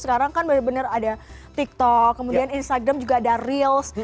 sekarang kan benar benar ada tiktok kemudian instagram juga ada reals